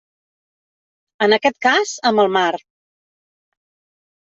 En aquest cas, amb el mar.